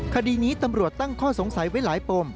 คดีนี้ตำรวจตั้งข้อสงสัยไว้หลายปม